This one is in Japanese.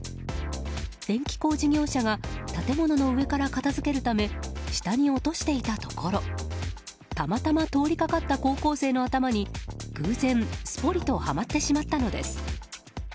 電気工事業者が建物の上から片づけるため下に落としていたところたまたま通りかかった高校生の頭に偶然すぽりとはまってしまったのです。